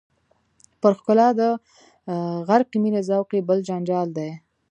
پر ښکلا د غرقې مینې ذوق یې بل جنجال دی.